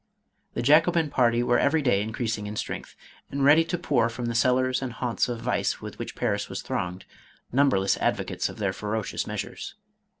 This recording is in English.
• The Jacobin party were every day increasing in strength, and ready to pour from the cellars and haunts of vice with which Paris was thronged, num berless advocates of their ferocious measures.